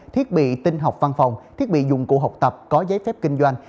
thiết bị tin học văn phòng thiết bị dụng cụ học tập có giấy phép kinh doanh